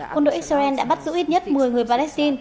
quân đội israel đã bắt giữ ít nhất một mươi người palestine